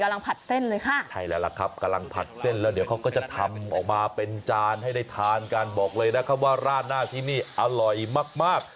ผัดเส้นเลยค่ะใช่แล้วล่ะครับกำลังผัดเส้นแล้วเดี๋ยวเขาก็จะทำออกมาเป็นจานให้ได้ทานกันบอกเลยนะครับว่าราดหน้าที่นี่อร่อยมากมาก